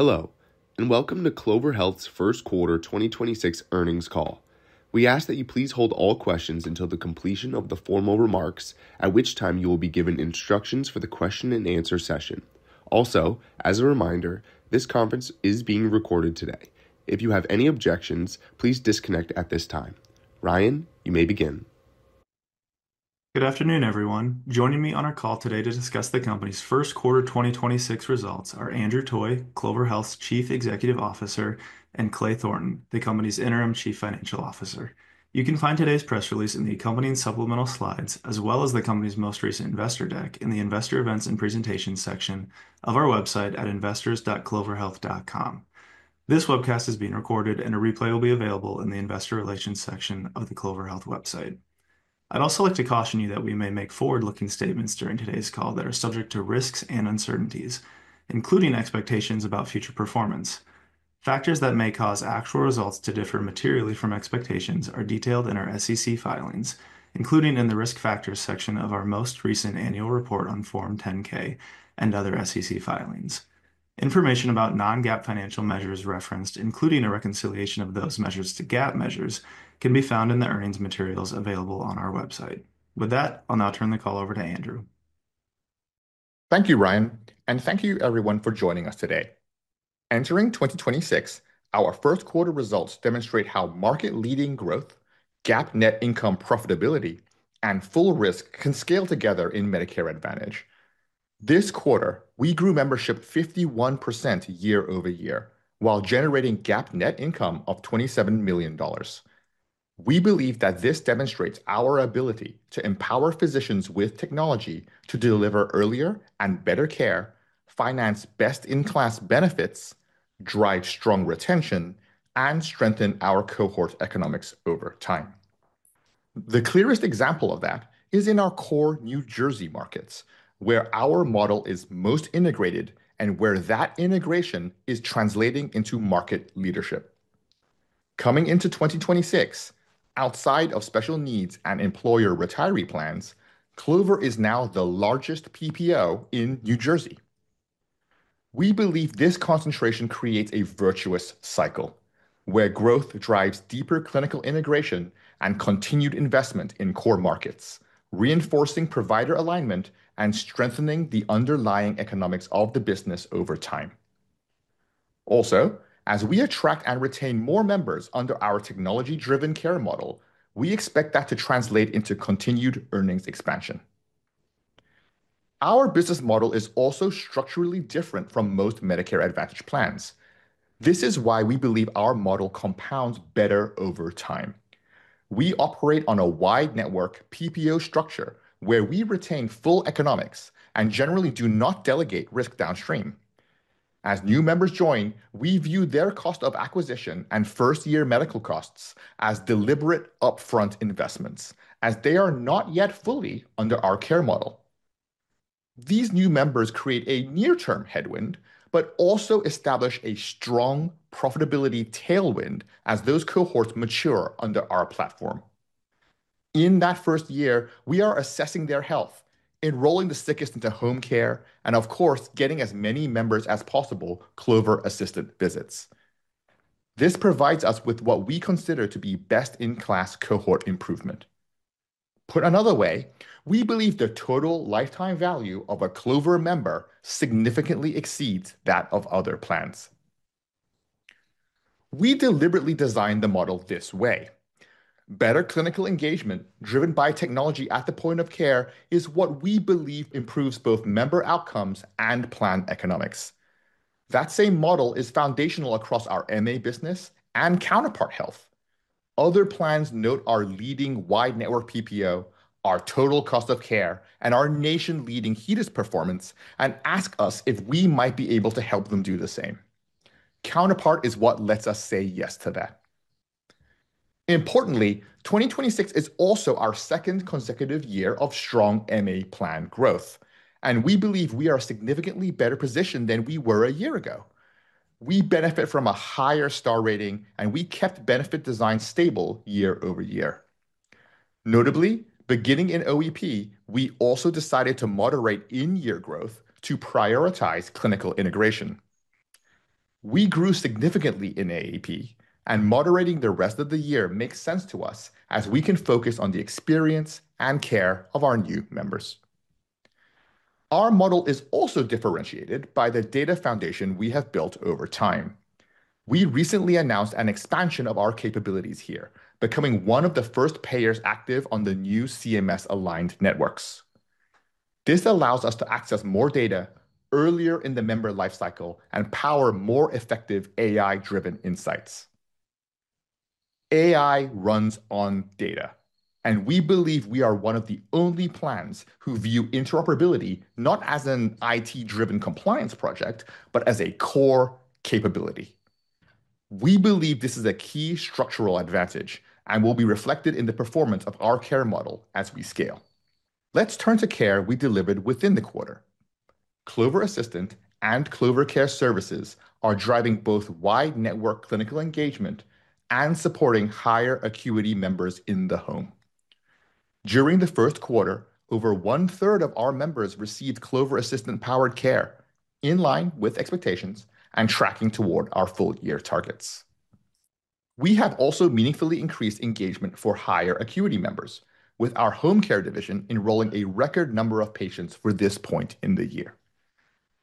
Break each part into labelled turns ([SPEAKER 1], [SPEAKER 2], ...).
[SPEAKER 1] Hello, and welcome to Clover Health's first quarter 2026 call. We ask that you please hold all questions until the completion of the formal remarks, at which time you will be given instructions for the question-and-answer session. Also, as a reminder, this conference is being recorded today. If you have any objections, please disconnect at this time. Ryan, you may begin.
[SPEAKER 2] Good afternoon, everyone. Joining me on our call today to discuss the company's first quarter 2026 results are Andrew Toy, Clover Health's Chief Executive Officer, and Clay Thornton, the company's Interim Chief Financial Officer. You can find today's press release in the accompanying supplemental slides, as well as the company's most recent investor deck in the Investor Events and Presentation section of our website at investors.cloverhealth.com. This webcast is being recorded, and a replay will be available in the Investor Relations section of the Clover Health website. I'd also like to caution you that we may make forward-looking statements during today's call that are subject to risks and uncertainties, including expectations about future performance. Factors that may cause actual results to differ materially from expectations are detailed in our SEC filings, including in the Risk Factors section of our most recent annual report on Form 10-K and other SEC filings. Information about non-GAAP financial measures referenced, including a reconciliation of those measures to GAAP measures, can be found in the earnings materials available on our website. With that, I'll now turn the call over to Andrew.
[SPEAKER 3] Thank you, Ryan, and thank you everyone for joining us today. Entering 2026, our first quarter results demonstrate how market-leading growth, GAAP net income profitability, and full risk can scale together in Medicare Advantage. This quarter, we grew membership 51% year over year, while generating GAAP net income of $27 million. We believe that this demonstrates our ability to empower physicians with technology to deliver earlier and better care, finance best-in-class benefits, drive strong retention, and strengthen our cohort economics over time. The clearest example of that is in our core New Jersey markets, where our model is most integrated and where that integration is translating into market leadership. Coming into 2026, outside of special needs and employer retiree plans, Clover is now the largest PPO in New Jersey. We believe this concentration creates a virtuous cycle where growth drives deeper clinical integration and continued investment in core markets, reinforcing provider alignment and strengthening the underlying economics of the business over time. Also, as we attract and retain more members under our technology-driven care model, we expect that to translate into continued earnings expansion. Our business model is also structurally different from most Medicare Advantage plans. This is why we believe our model compounds better over time. We operate on a wide network PPO structure where we retain full economics and generally do not delegate risk downstream. As new members join, we view their cost of acquisition and first-year medical costs as deliberate upfront investments, as they are not yet fully under our care model. These new members create a near-term headwind, but also establish a strong profitability tailwind as those cohorts mature under our platform. In that first year, we are assessing their health, enrolling the sickest into home care, and of course, getting as many members as possible Clover Assist visits. This provides us with what we consider to be best-in-class cohort improvement. Put another way, we believe the total lifetime value of a Clover member significantly exceeds that of other plans. We deliberately designed the model this way. Better clinical engagement driven by technology at the point of care is what we believe improves both member outcomes and plan economics. That same model is foundational across our MA business and Counterpart Health. Other plans note our leading wide network PPO, our total cost of care, and our nation-leading HEDIS performance, and ask us if we might be able to help them do the same. Counterpart is what lets us say yes to that. Importantly, 2026 is also our second consecutive year of strong MA plan growth. We believe we are significantly better positioned than we were a year ago. We benefit from a higher Star Rating. We kept benefit design stable year over year. Notably, beginning in OEP, we also decided to moderate in-year growth to prioritize clinical integration. We grew significantly in AEP. Moderating the rest of the year makes sense to us as we can focus on the experience and care of our new members. Our model is also differentiated by the data foundation we have built over time. We recently announced an expansion of our capabilities here, becoming one of the first payers active on the new CMS aligned networks. This allows us to access more data earlier in the member life cycle and power more effective AI-driven insights. AI runs on data, and we believe we are one of the only plans who view interoperability not as an IT-driven compliance project, but as a core capability. We believe this is a key structural advantage and will be reflected in the performance of our care model as we scale. Let's turn to care we delivered within the quarter. Clover Assistant and Clover Care Services are driving both wide network clinical engagement and supporting higher acuity members in the home. During the first quarter, over 1/3 of our members received Clover Assistant-powered care in line with expectations and tracking toward our full year targets. We have also meaningfully increased engagement for higher acuity members, with our home care division enrolling a record number of patients for this point in the year.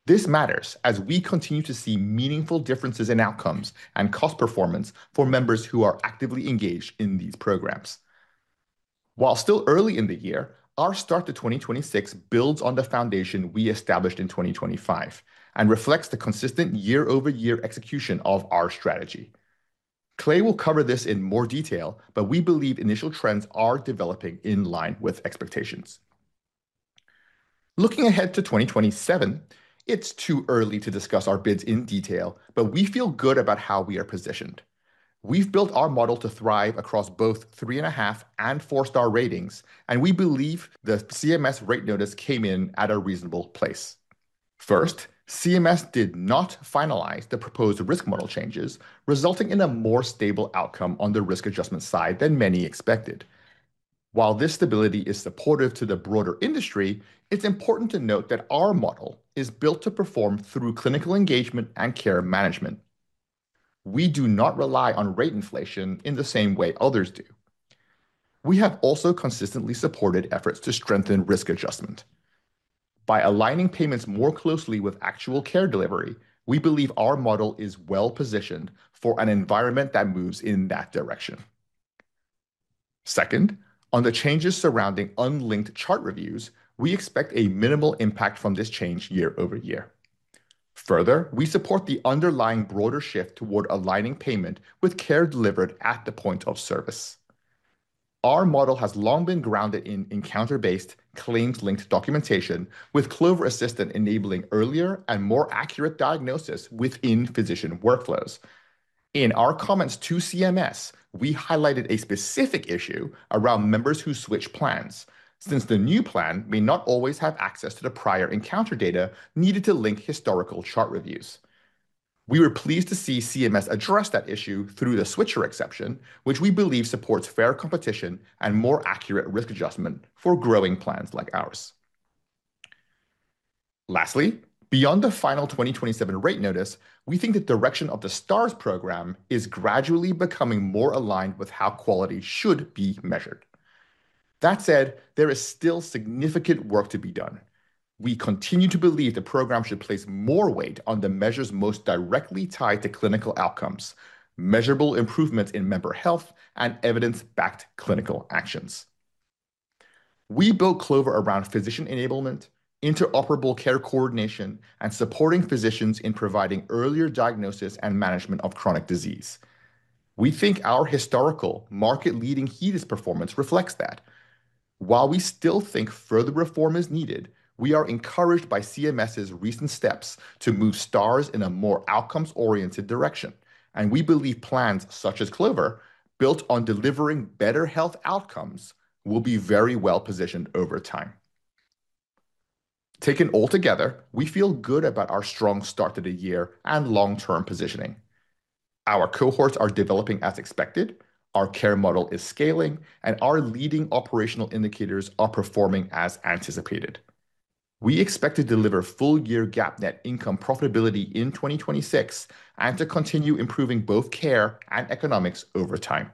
[SPEAKER 3] This matters as we continue to see meaningful differences in outcomes and cost performance for members who are actively engaged in these programs. While still early in the year, our start to 2026 builds on the foundation we established in 2025 and reflects the consistent year-over-year execution of our strategy. Clay will cover this in more detail, but we believe initial trends are developing in line with expectations. Looking ahead to 2027, it's too early to discuss our bids in detail, but we feel good about how we are positioned. We've built our model to thrive across both 3.5 and 4-Star ratings, and we believe the CMS rate notice came in at a reasonable place. First, CMS did not finalize the proposed risk model changes, resulting in a more stable outcome on the risk adjustment side than many expected. While this stability is supportive to the broader industry, it's important to note that our model is built to perform through clinical engagement and care management. We do not rely on rate inflation in the same way others do. We have also consistently supported efforts to strengthen risk adjustment. By aligning payments more closely with actual care delivery, we believe our model is well-positioned for an environment that moves in that direction. Second, on the changes surrounding unlinked chart reviews, we expect a minimal impact from this change year-over-year. Further, we support the underlying broader shift toward aligning payment with care delivered at the point of service. Our model has long been grounded in encounter-based claims linked documentation with Clover Assistant enabling earlier and more accurate diagnosis within physician workflows. In our comments to CMS, we highlighted a specific issue around members who switch plans, since the new plan may not always have access to the prior encounter data needed to link historical chart reviews. We were pleased to see CMS address that issue through the switcher exception, which we believe supports fair competition and more accurate risk adjustment for growing plans like ours. Lastly, beyond the final 2027 rate notice, we think the direction of the Stars program is gradually becoming more aligned with how quality should be measured. That said, there is still significant work to be done. We continue to believe the program should place more weight on the measures most directly tied to clinical outcomes, measurable improvements in member health, and evidence-backed clinical actions. We built Clover around physician enablement, interoperable care coordination, and supporting physicians in providing earlier diagnosis and management of chronic disease. We think our historical market-leading HEDIS performance reflects that. While we still think further reform is needed, we are encouraged by CMS's recent steps to move Stars in a more outcomes-oriented direction, and we believe plans such as Clover, built on delivering better health outcomes, will be very well positioned over time. Taken all together, we feel good about our strong start to the year and long-term positioning. Our cohorts are developing as expected, our care model is scaling, and our leading operational indicators are performing as anticipated. We expect to deliver full year GAAP net income profitability in 2026 and to continue improving both care and economics over time.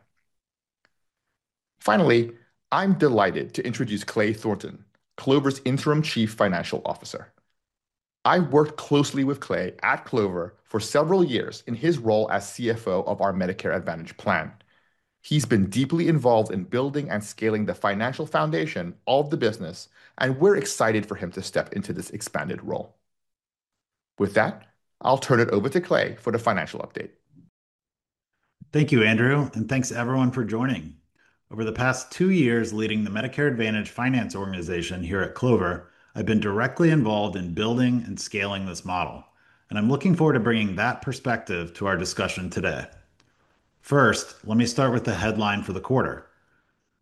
[SPEAKER 3] Finally, I'm delighted to introduce Clay Thornton, Clover's Interim Chief Financial Officer. I've worked closely with Clay at Clover for several years in his role as CFO of our Medicare Advantage plan. He's been deeply involved in building and scaling the financial foundation of the business, and we're excited for him to step into this expanded role. With that, I'll turn it over to Clay for the financial update.
[SPEAKER 4] Thank you, Andrew, and thanks everyone for joining. Over the past two years leading the Medicare Advantage finance organization here at Clover, I've been directly involved in building and scaling this model, and I'm looking forward to bringing that perspective to our discussion today. First, let me start with the headline for the quarter.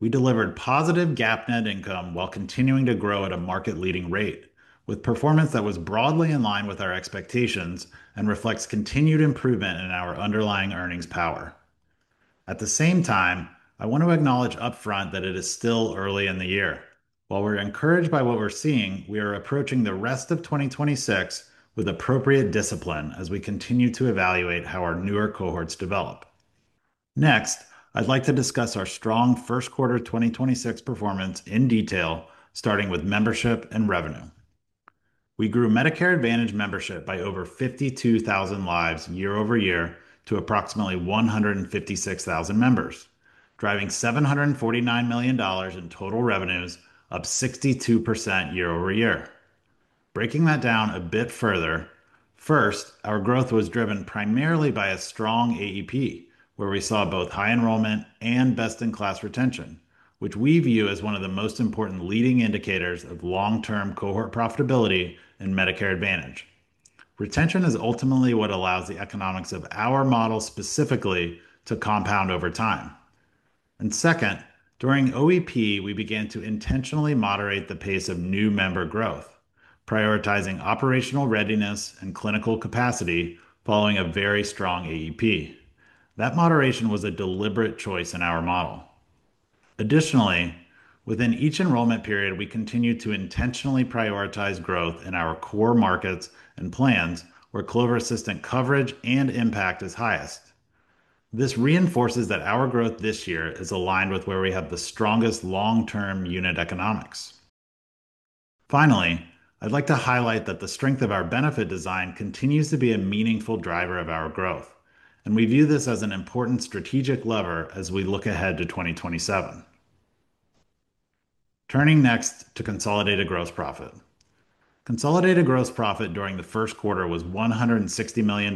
[SPEAKER 4] We delivered positive GAAP net income while continuing to grow at a market-leading rate, with performance that was broadly in line with our expectations and reflects continued improvement in our underlying earnings power. At the same time, I want to acknowledge upfront that it is still early in the year. While we're encouraged by what we're seeing, we are approaching the rest of 2026 with appropriate discipline as we continue to evaluate how our newer cohorts develop. Next, I'd like to discuss our strong first quarter 2026 performance in detail, starting with membership and revenue. We grew Medicare Advantage membership by over 52,000 lives year-over-year to approximately 156,000 members, driving $749 million in total revenues, up 62% year-over-year. Breaking that down a bit further, first, our growth was driven primarily by a strong AEP, where we saw both high enrollment and best-in-class retention, which we view as one of the most important leading indicators of long-term cohort profitability in Medicare Advantage. Retention is ultimately what allows the economics of our model specifically to compound over time. Second, during OEP, we began to intentionally moderate the pace of new member growth, prioritizing operational readiness and clinical capacity following a very strong AEP. That moderation was a deliberate choice in our model. Additionally, within each enrollment period, we continue to intentionally prioritize growth in our core markets and plans where Clover Assistant coverage and impact is highest. This reinforces that our growth this year is aligned with where we have the strongest long-term unit economics. I'd like to highlight that the strength of our benefit design continues to be a meaningful driver of our growth, and we view this as an important strategic lever as we look ahead to 2027. Turning next to consolidated gross profit. Consolidated gross profit during the first quarter was $160 million,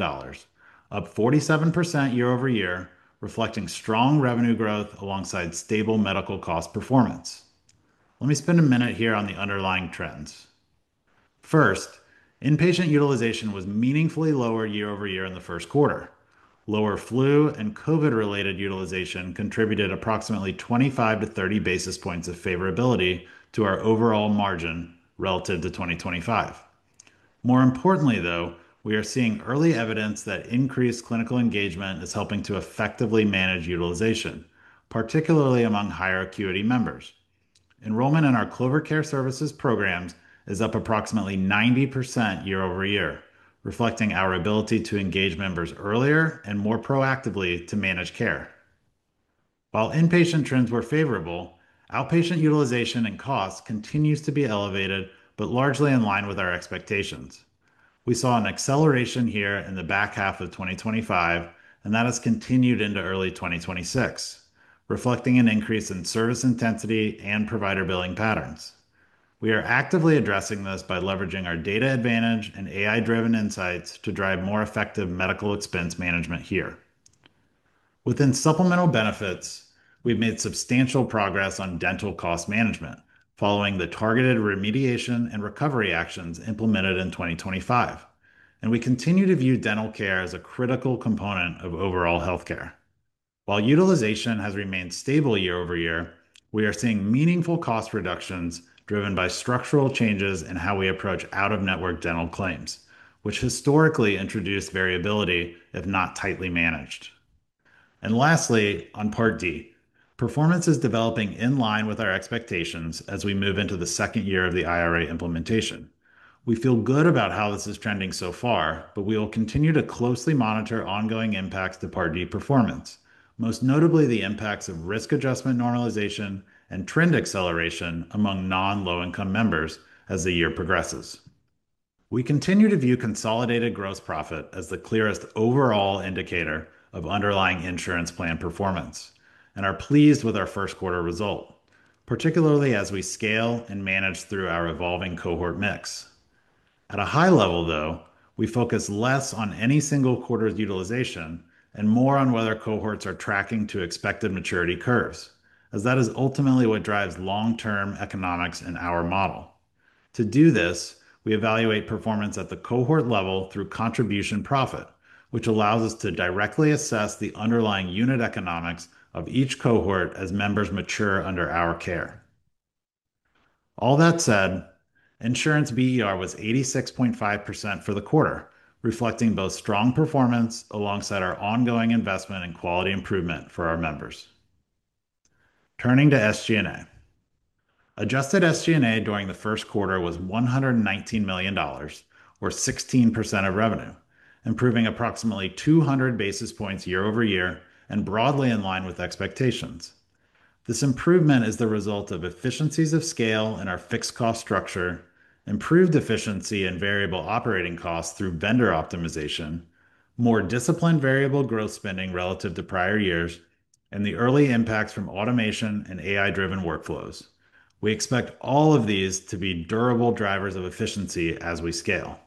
[SPEAKER 4] up 47% year-over-year, reflecting strong revenue growth alongside stable medical cost performance. Let me spend a minute here on the underlying trends. Inpatient utilization was meaningfully lower year-over-year in the first quarter. Lower flu and COVID-related utilization contributed approximately 25 to 30 basis points of favorability to our overall margin relative to 2025. More importantly, though, we are seeing early evidence that increased clinical engagement is helping to effectively manage utilization, particularly among higher acuity members. Enrollment in our Clover Care Services programs is up approximately 90% year-over-year, reflecting our ability to engage members earlier and more proactively to manage care. While inpatient trends were favorable, outpatient utilization and costs continues to be elevated, but largely in line with our expectations. We saw an acceleration here in the back half of 2025, and that has continued into early 2026, reflecting an increase in service intensity and provider billing patterns. We are actively addressing this by leveraging our data advantage and AI-driven insights to drive more effective medical expense management here. Within supplemental benefits, we've made substantial progress on dental cost management following the targeted remediation and recovery actions implemented in 2025, and we continue to view dental care as a critical component of overall healthcare. While utilization has remained stable year-over-year, we are seeing meaningful cost reductions driven by structural changes in how we approach out-of-network dental claims, which historically introduced variability if not tightly managed. Lastly, on Part D. Performance is developing in line with our expectations as we move into the second year of the IRA implementation. We feel good about how this is trending so far, but we will continue to closely monitor ongoing impacts to Part D performance, most notably the impacts of risk adjustment normalization and trend acceleration among non-low-income members as the year progresses. We continue to view consolidated gross profit as the clearest overall indicator of underlying insurance plan performance and are pleased with our first quarter result, particularly as we scale and manage through our evolving cohort mix. At a high level, though, we focus less on any single quarter's utilization and more on whether cohorts are tracking to expected maturity curves, as that is ultimately what drives long-term economics in our model. To do this, we evaluate performance at the cohort level through contribution profit, which allows us to directly assess the underlying unit economics of each cohort as members mature under our care. All that said, insurance BER was 86.5% for the quarter, reflecting both strong performance alongside our ongoing investment in quality improvement for our members. Turning to SG&A. Adjusted SG&A during the first quarter was $119 million, or 16% of revenue, improving approximately 200 basis points year-over-year and broadly in line with expectations. This improvement is the result of efficiencies of scale in our fixed cost structure, improved efficiency in variable operating costs through vendor optimization, more disciplined variable growth spending relative to prior years, and the early impacts from automation and AI-driven workflows. We expect all of these to be durable drivers of efficiency as we scale.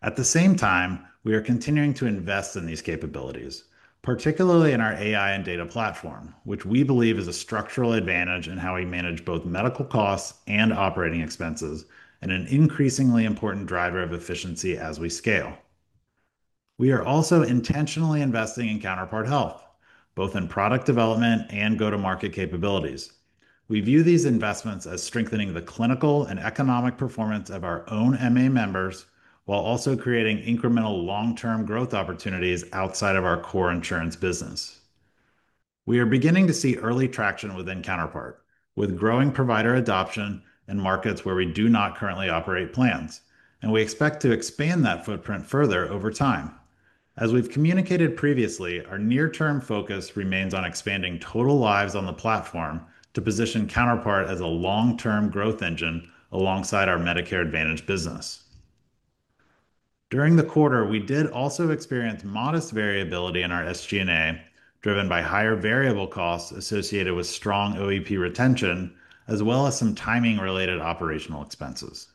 [SPEAKER 4] At the same time, we are continuing to invest in these capabilities, particularly in our AI and data platform, which we believe is a structural advantage in how we manage both medical costs and operating expenses and an increasingly important driver of efficiency as we scale. We are also intentionally investing in Counterpart Health, both in product development and go-to-market capabilities. We view these investments as strengthening the clinical and economic performance of our own MA members while also creating incremental long-term growth opportunities outside of our core insurance business. We are beginning to see early traction within Counterpart, with growing provider adoption in markets where we do not currently operate plans, and we expect to expand that footprint further over time. As we've communicated previously, our near-term focus remains on expanding total lives on the platform to position Counterpart as a long-term growth engine alongside our Medicare Advantage business. During the quarter, we did also experience modest variability in our SG&A, driven by higher variable costs associated with strong OEP retention as well as some timing-related operational expenses.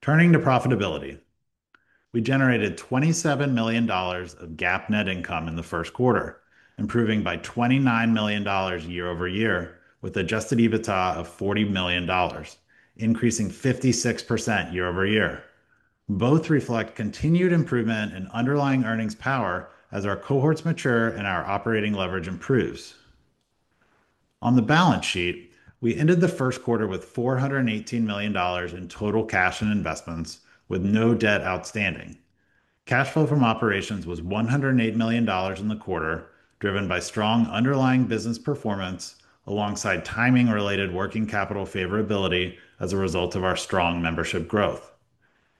[SPEAKER 4] Turning to profitability. We generated $27 million of GAAP net income in the first quarter, improving by $29 million year-over-year, with adjusted EBITDA of $40 million, increasing 56% year-over-year. Both reflect continued improvement in underlying earnings power as our cohorts mature and our operating leverage improves. On the balance sheet, we ended the first quarter with $418 million in total cash and investments, with no debt outstanding. Cash flow from operations was $108 million in the quarter, driven by strong underlying business performance alongside timing-related working capital favorability as a result of our strong membership growth.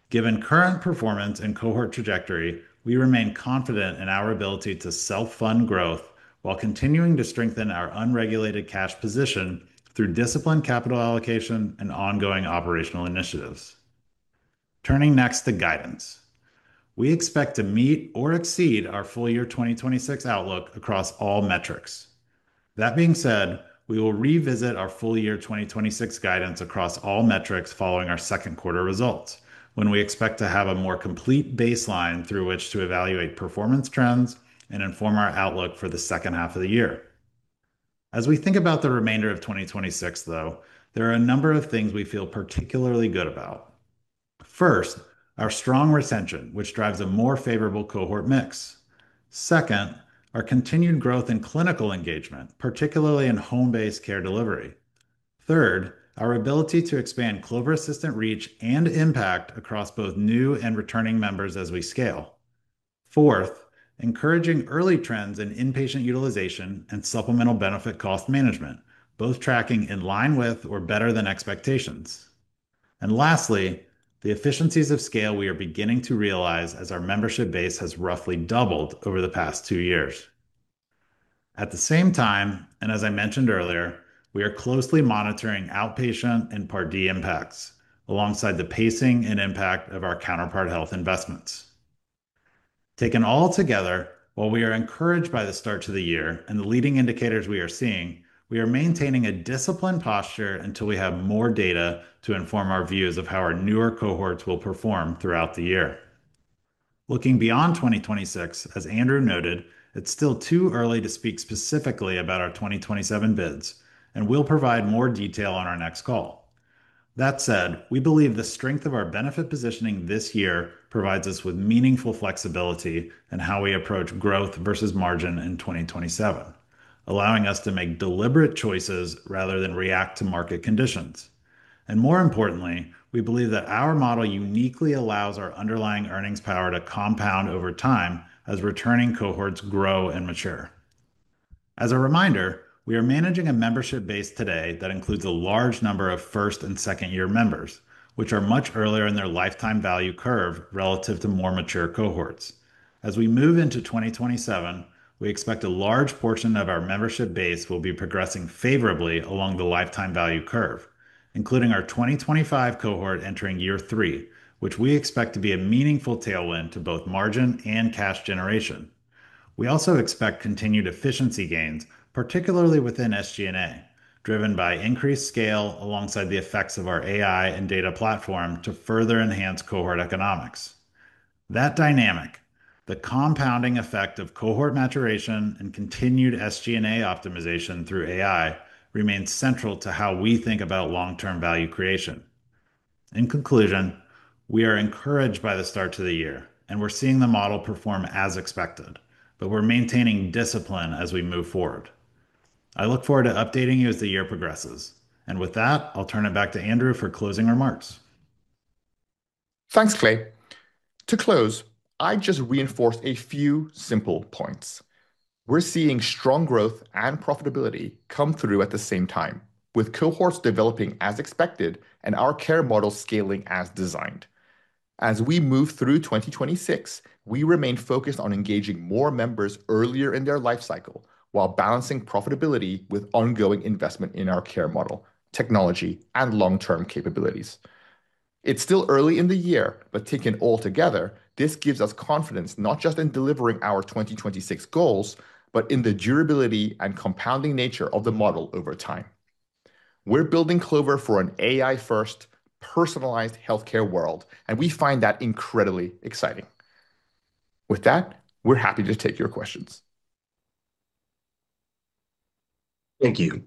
[SPEAKER 4] Given current performance and cohort trajectory, we remain confident in our ability to self-fund growth while continuing to strengthen our unregulated cash position through disciplined capital allocation and ongoing operational initiatives. Turning next to guidance. We expect to meet or exceed our full year 2026 outlook across all metrics. That being said, we will revisit our full year 2026 guidance across all metrics following our second quarter results, when we expect to have a more complete baseline through which to evaluate performance trends and inform our outlook for the second half of the year. As we think about the remainder of 2026, though, there are a number of things we feel particularly good about. First, our strong retention, which drives a more favorable cohort mix. Second, our continued growth in clinical engagement, particularly in home-based care delivery. Third, our ability to expand Clover Assistant reach and impact across both new and returning members as we scale. Fourth, encouraging early trends in inpatient utilization and supplemental benefit cost management, both tracking in line with or better than expectations. Lastly, the efficiencies of scale we are beginning to realize as our membership base has roughly doubled over the past two years. At the same time, and as I mentioned earlier, we are closely monitoring outpatient and Part D impacts alongside the pacing and impact of our Counterpart Health investments. Taken all together, while we are encouraged by the start to the year and the leading indicators we are seeing, we are maintaining a disciplined posture until we have more data to inform our views of how our newer cohorts will perform throughout the year. Looking beyond 2026, as Andrew noted, it's still too early to speak specifically about our 2027 bids, and we'll provide more detail on our next call. That said, we believe the strength of our benefit positioning this year provides us with meaningful flexibility in how we approach growth versus margin in 2027, allowing us to make deliberate choices rather than react to market conditions. More importantly, we believe that our model uniquely allows our underlying earnings power to compound over time as returning cohorts grow and mature. As a reminder, we are managing a membership base today that includes a large number of first and second-year members, which are much earlier in their lifetime value curve relative to more mature cohorts. As we move into 2027, we expect a large portion of our membership base will be progressing favorably along the lifetime value curve, including our 2025 cohort entering year three, which we expect to be a meaningful tailwind to both margin and cash generation. We also expect continued efficiency gains, particularly within SG&A, driven by increased scale alongside the effects of our AI and data platform to further enhance cohort economics. That dynamic, the compounding effect of cohort maturation and continued SG&A optimization through AI, remains central to how we think about long-term value creation. In conclusion, we are encouraged by the start to the year. We're seeing the model perform as expected. We're maintaining discipline as we move forward. I look forward to updating you as the year progresses. With that, I'll turn it back to Andrew for closing remarks.
[SPEAKER 3] Thanks, Clay. To close, I just reinforce a few simple points. We're seeing strong growth and profitability come through at the same time, with cohorts developing as expected and our care model scaling as designed. As we move through 2026, we remain focused on engaging more members earlier in their life cycle while balancing profitability with ongoing investment in our care model, technology, and long-term capabilities. It's still early in the year, taken all together, this gives us confidence not just in delivering our 2026 goals, but in the durability and compounding nature of the model over time. We're building Clover for an AI-first, personalized healthcare world, we find that incredibly exciting. With that, we're happy to take your questions.
[SPEAKER 1] Thank you.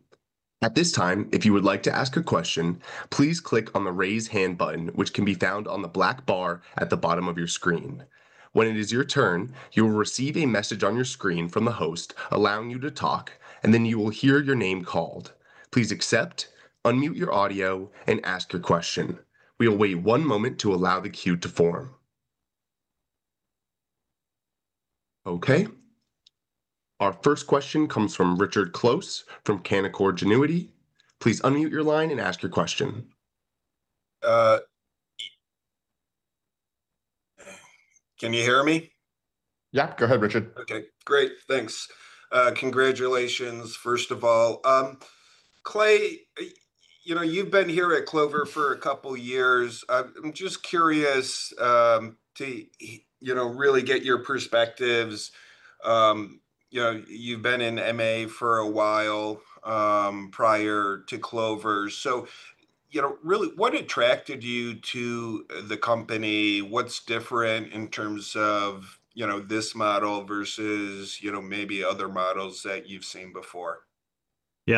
[SPEAKER 1] At this time, if you would like to ask a question, please click on the Raise Hand button, which can be found on the black bar at the bottom of your screen. When it is your turn, you will receive a message on your screen from the host allowing you to talk, and then you will hear your name called. Please accept, unmute your audio, and ask your question. We will wait one moment to allow the queue to form. Okay. Our first question comes from Richard Close from Canaccord Genuity. Please unmute your line and ask your question.
[SPEAKER 5] Can you hear me?
[SPEAKER 3] Yeah. Go ahead, Richard.
[SPEAKER 5] Okay, great. Thanks. Congratulations, first of all. Clay, you know, you've been here at Clover for a couple years. I'm just curious to, you know, really get your perspectives. You know, you've been in MA for a while prior to Clover. You know, really what attracted you to the company? What's different in terms of, you know, this model versus, you know, maybe other models that you've seen before?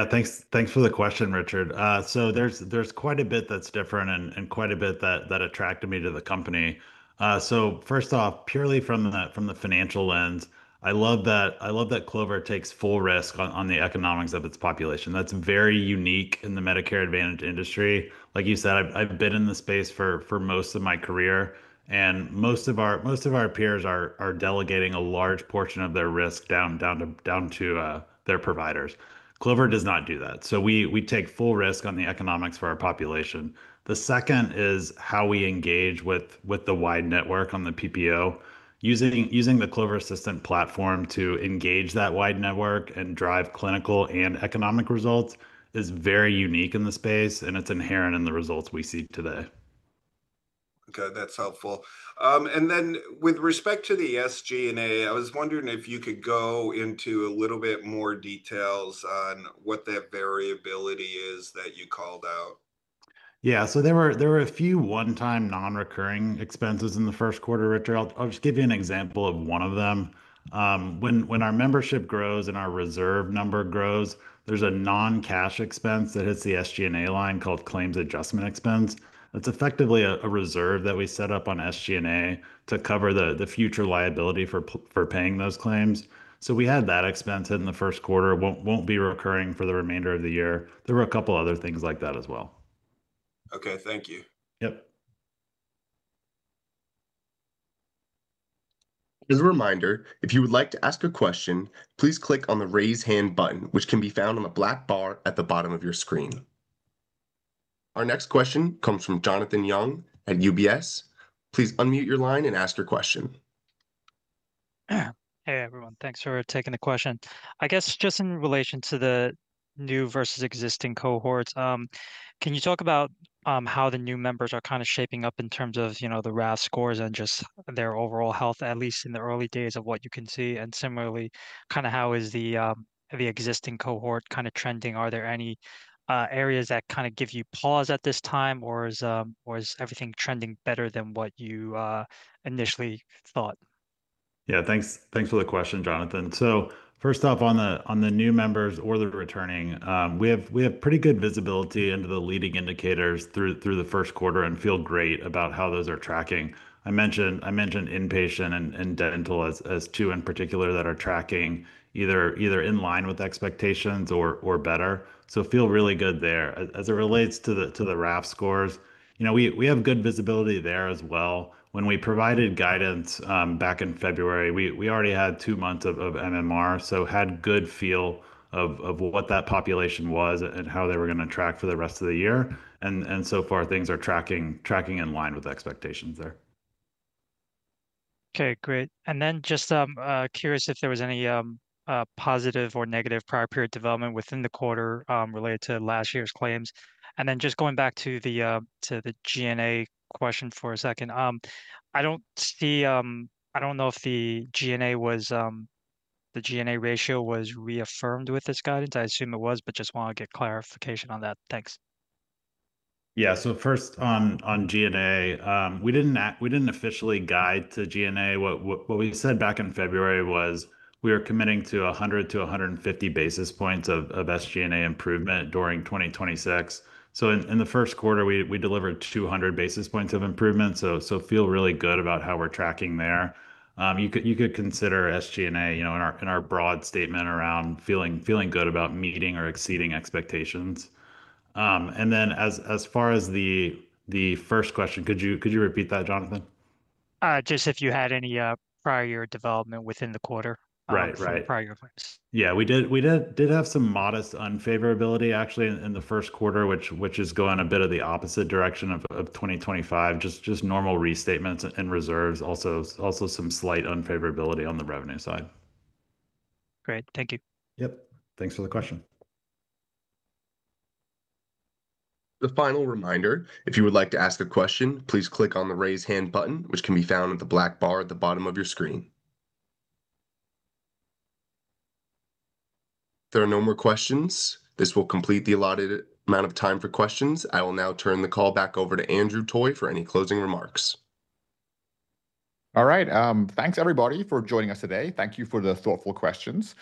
[SPEAKER 4] Thanks, thanks for the question, Richard. There's quite a bit that's different and quite a bit that attracted me to the company. First off, purely from the financial lens. I love that Clover takes full risk on the economics of its population. That's very unique in the Medicare Advantage industry. Like you said, I've been in the space for most of my career, and most of our peers are delegating a large portion of their risk down to their providers. Clover does not do that. We take full risk on the economics for our population. The second is how we engage with the wide network on the PPO. Using the Clover Assistant platform to engage that wide network and drive clinical and economic results is very unique in the space, and it's inherent in the results we see today.
[SPEAKER 5] Okay, that's helpful. With respect to the SG&A, I was wondering if you could go into a little bit more details on what that variability is that you called out.
[SPEAKER 4] Yeah. There were a few one-time non-recurring expenses in the first quarter, Richard. I'll just give you an example of one of them. When our membership grows and our reserve number grows, there's a non-cash expense that hits the SG&A line called claims adjustment expense. It's effectively a reserve that we set up on SG&A to cover the future liability for paying those claims. We had that expense hit in the first quarter. It won't be recurring for the remainder of the year. There were a couple other things like that as well.
[SPEAKER 5] Okay. Thank you.
[SPEAKER 4] Yep.
[SPEAKER 1] As a reminder, if you would like to ask a question, please click on the Raise Hand button, which can be found on the black bar at the bottom of your screen. Our next question comes from Jonathan Yong at UBS. Please unmute your line and ask your question.
[SPEAKER 6] Hey, everyone. Thanks for taking the question. I guess just in relation to the new versus existing cohorts, can you talk about how the new members are kind of shaping up in terms of, you know, the RAF scores and just their overall health, at least in the early days of what you can see? Similarly, kind of how is the existing cohort kind of trending? Are there any areas that kind of give you pause at this time, or is everything trending better than what you initially thought?
[SPEAKER 4] Yeah. Thanks for the question, Jonathan. First off, on the new members or the returning, we have pretty good visibility into the leading indicators through the first quarter and feel great about how those are tracking. I mentioned in-patient and dental as two in particular that are tracking either in line with expectations or better, so feel really good there. As it relates to the RAF scores, you know, we have good visibility there as well. When we provided guidance back in February, we already had two months of MMR, so had good feel of what that population was and how they were gonna track for the rest of the year. So far things are tracking in line with expectations there.
[SPEAKER 6] Okay. Great. Just curious if there was any positive or negative prior period development within the quarter related to last year's claims. Just going back to the G&A question for a second, I don't see, I don't know if the G&A was, the G&A ratio was reaffirmed with this guidance. I assume it was, just want to get clarification on that. Thanks.
[SPEAKER 4] Yeah. First on G&A, we didn't officially guide to G&A. What we said back in February was we are committing to 100 to 150 basis points of SG&A improvement during 2026. In the first quarter, we delivered 200 basis points of improvement, feel really good about how we're tracking there. You could consider SG&A, you know, in our broad statement around feeling good about meeting or exceeding expectations. As far as the first question, could you repeat that, Jonathan?
[SPEAKER 6] Just if you had any prior year development within the quarter.
[SPEAKER 4] Right. Right.
[SPEAKER 6] From the prior year plans.
[SPEAKER 4] Yeah. We did have some modest unfavorability actually in the first quarter, which is going a bit of the opposite direction of 2025. Just normal restatements and reserves. Also some slight unfavorability on the revenue side.
[SPEAKER 6] Great. Thank you.
[SPEAKER 4] Yep. Thanks for the question.
[SPEAKER 1] The final reminder, if you would like to ask a question, please click on the Raise Hand button, which can be found in the black bar at the bottom of your screen. If there are no more questions, this will complete the allotted amount of time for questions. I will now turn the call back over to Andrew Toy for any closing remarks.
[SPEAKER 3] All right. Thanks everybody for joining us today. Thank you for the thoughtful questions.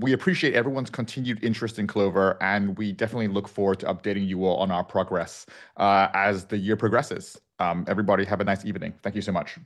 [SPEAKER 3] We appreciate everyone's continued interest in Clover, and we definitely look forward to updating you all on our progress as the year progresses. Everybody have a nice evening. Thank you so much.